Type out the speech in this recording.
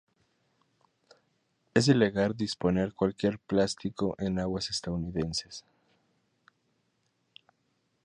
Es ilegal disponer cualquier plástico en aguas estadounidenses.